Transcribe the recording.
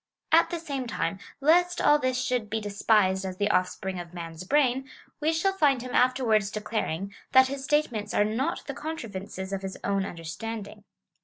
At the same time, lest all this should be despised as the offspring of man's brain, we shall find him afterwards declaring, that his statements are not the contrivances of his own under standing.